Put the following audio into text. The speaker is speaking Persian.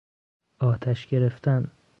آتش گرفتن